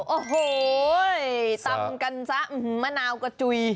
โอ้โหตำกันซะมะนาวกระจุย